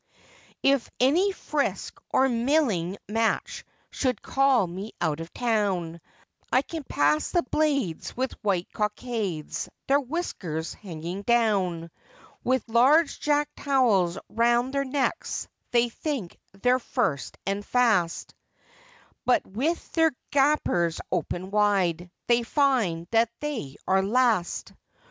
If any frisk or milling match should call me out of town, I can pass the blades with white cockades, their whiskers hanging down; With large jack towels round their necks, they think they're first and fast, But, with their gapers open wide, they find that they are last.